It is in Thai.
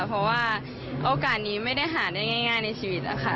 เพราะว่าโอกาสนี้ไม่ได้หาได้ง่ายในชีวิตนะคะ